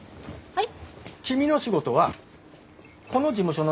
はい。